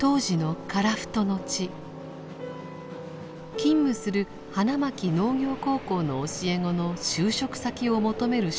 勤務する花巻農業高校の教え子の就職先を求める出張とされました。